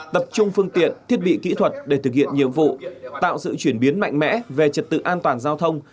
tập trung phương tiện thiết bị kỹ thuật để thực hiện nhiệm vụ tạo sự chuyển biến mạnh mẽ về trật tự an toàn giao thông